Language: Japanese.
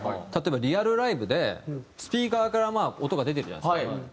例えばリアルライブでスピーカーからまあ音が出てるじゃないですか。